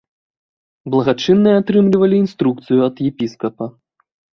Благачынныя атрымлівалі інструкцыю ад епіскапа.